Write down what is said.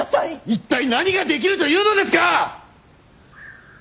一体何ができるというのですか！